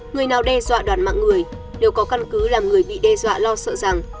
người nào đe dọa đoàn mạng người đều có căn cứ làm người bị đe dọa lo sợ rằng